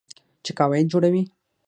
چې قواعد جوړوي.